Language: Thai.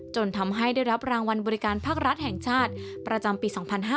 จนทำให้ได้รับรางวัลบริการภาครัฐแห่งชาติประจำปี๒๕๕๙